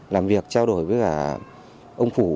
làm việc trao đổi với cả ông phủ